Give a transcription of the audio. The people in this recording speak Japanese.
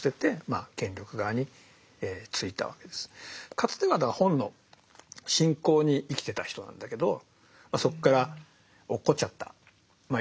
かつては本の信仰に生きてた人なんだけどそこから落っこっちゃったいわゆる堕天使。